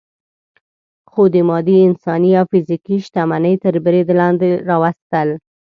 خو د مادي، انساني او فزیکي شتمنۍ تر برید لاندې راوستل.